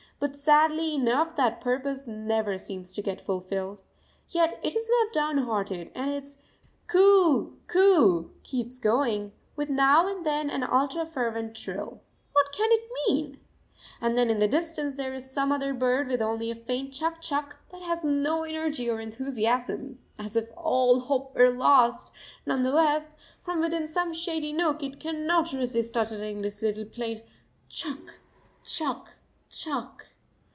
But, sadly enough, that purpose never seems to get fulfilled. Yet it is not down hearted, and its Coo oo! Coo oo! keeps going, with now and then an ultra fervent trill. What can it mean? [Footnote 1: A favourite conceit of the old Sanskrit poets.] And then in the distance there is some other bird with only a faint chuck chuck that has no energy or enthusiasm, as if all hope were lost; none the less, from within some shady nook it cannot resist uttering this little plaint: chuck, chuck, chuck.